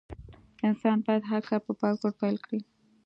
انسان بايد هر کار په پاک زړه پيل کړي.